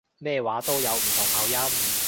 咩話都有唔同口音